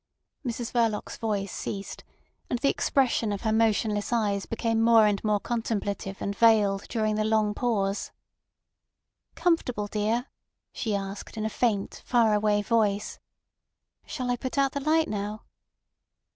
Mrs Verloc's voice ceased, and the expression of her motionless eyes became more and more contemplative and veiled during the long pause. "Comfortable, dear?" she asked in a faint, far away voice. "Shall I put out the light now?"